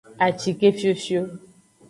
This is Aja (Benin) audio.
Acike fiofio.